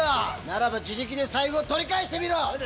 ならば自力で財布を取り返してみろ！